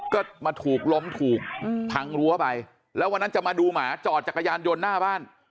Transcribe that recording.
ก็มาถูกล้มถูกพังรั้วไปแล้ววันนั้นจะมาดูหมาจอดจักรยานยนต์หน้าบ้าน